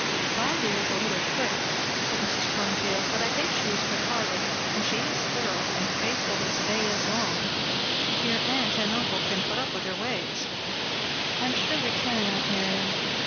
"Barby is a little quick," said Mrs. Plumfield, "but I think she is good hearted, and she is thorough, and faithful as the day is long. If your aunt and uncle can put up with her ways." "I am sure we can, aunt Miriam.